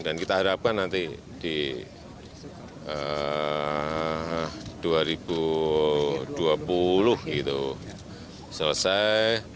dan kita harapkan nanti di dua ribu dua puluh gitu selesai